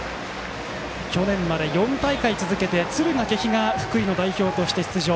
去年まで４大会続けて敦賀気比が福井の代表として出場。